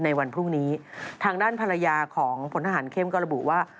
ในวันพรุ่งนี้ทางด้านภรรยาของพลทหารเข้มก็ระบุว่า